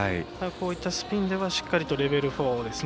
こういったスピンではしっかりとレベル４。